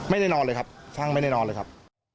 นอนเลยครับช่างไม่ได้นอนเลยครับ